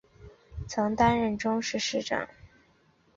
曾担任台中市市长。